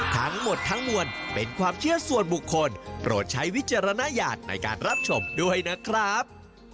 ทั้งหมดทั้งมวลเป็นความเชื่อส่วนบุคคลโปรดใช้วิจารณญาณในการรับชมด้วยนะครับ